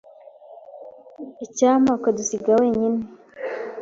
Icyampa akadusiga wenyine.